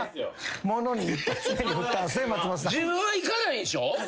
自分は行かないんでしょ？